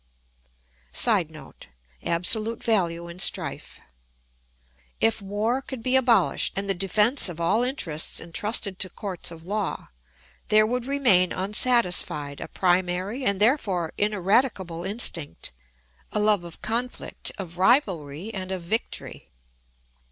[Sidenote: Absolute value in strife.] If war could be abolished and the defence of all interests intrusted to courts of law, there would remain unsatisfied a primary and therefore ineradicable instinct—a love of conflict, of rivalry, and of victory.